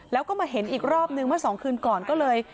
แล้วก็มาเห็นอีกรอบนึงเมื่อสองคืนก่อนก็เลย